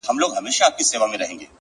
زمــا دزړه د ائينې په خاموشـۍ كي ـ